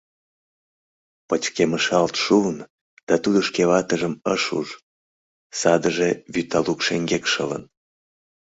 Пычкмышалт шуын да тудо шке ватыжым ыш уж, салыже вӱта лук шеҥгек шылын.